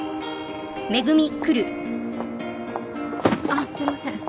あぁすいません。